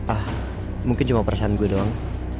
ah mungkin cuma perasaan gue doang